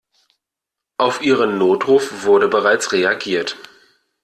Auf Ihren Notruf wurde bereits reagiert.